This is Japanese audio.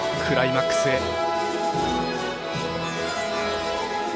クライマックスへ。